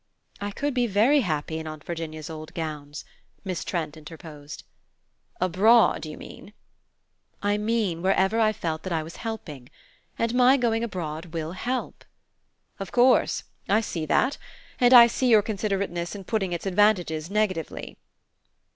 "I could be very happy in Aunt Virginia's old gowns," Miss Trent interposed. "Abroad, you mean?" "I mean wherever I felt that I was helping. And my going abroad will help." "Of course I see that. And I see your considerateness in putting its advantages negatively."